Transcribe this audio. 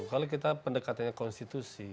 kalau kita pendekatannya konstitusi